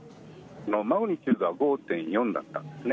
マグニチュードは５．４だったんですね。